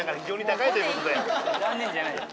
残念じゃないよ。